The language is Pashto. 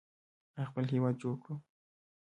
آیا خپل هیواد جوړ کړو؟